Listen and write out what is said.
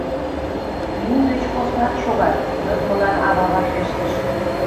«Лӱм деч поснат шогат, — йодмылан ава вашештыш.